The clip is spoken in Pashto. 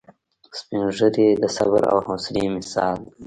سپین ږیری د صبر او حوصلې مثال دی